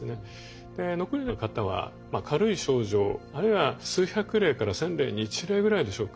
残りの方は軽い症状あるいは数百例から１，０００例に１例ぐらいでしょうか